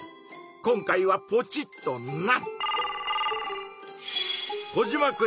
今回はポチッとな！